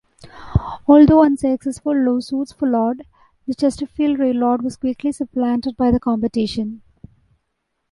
Although unsuccessful lawsuits followed, the Chesterfield Railroad was quickly supplanted by the competition.